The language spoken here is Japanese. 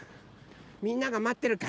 みんながまってるから。